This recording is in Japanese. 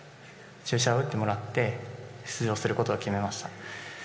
注射を打ってもらって出場することを決めました。